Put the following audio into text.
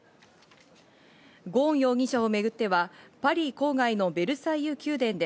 ゴーン容疑者をめぐっては、パリ郊外のベルサイユ宮殿で